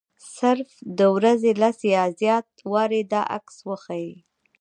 صرف د ورځې لس یا زیات وارې دا عکس وښيي.